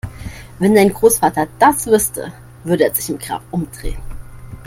Wenn dein Großvater das wüsste, würde er sich im Grab umdrehen!